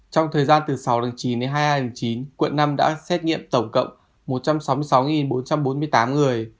trong thời gian từ sáu chín đến hai mươi hai chín quận năm đã xét nghiệm tổng cộng một trăm sáu mươi sáu bốn trăm bốn mươi tám người